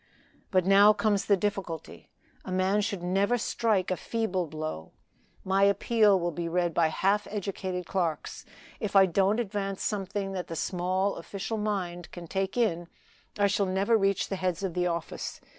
"But now comes the difficulty. A man should never strike a feeble blow. My appeal will be read by half educated clerks. If I don't advance something that the small official mind can take in, I shall never reach the heads of the office.